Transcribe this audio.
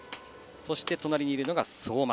そして、隣にいるのは相馬。